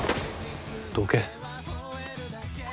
どけ。